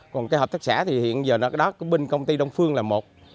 còn cái hợp tác xã thì hiện giờ đó bên công ty đông phương là một